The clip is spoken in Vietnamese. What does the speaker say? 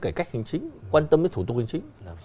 cải cách hình chính quan tâm đến thủ tục hình chính